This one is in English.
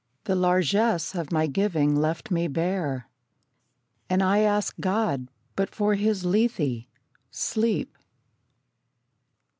The largess of my giving left me bare, And I ask God but for His Lethe sleep.